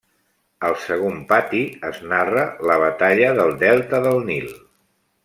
Al segon pati, es narra la Batalla del delta del Nil.